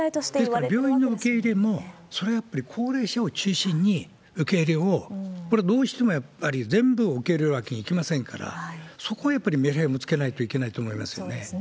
ですから、病院の受け入れも、それはやっぱり高齢者を中心に受け入れを、これはどうしてもやっぱり全部を受け入れるわけにはいきませんから、そこをやっぱりめりはりをつけないといけないと思いますよね。